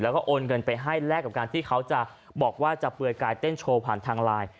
แล้วก็โอนเงินไปให้แลกกับการที่เขาจะบอกว่าจะเปลือยกายเต้นโชว์ผ่านทางไลน์